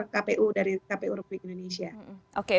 kpu dari kpu republik indonesia oke